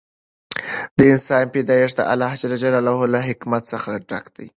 د انسان پیدایښت د الله تعالی له حکمت څخه ډک دی.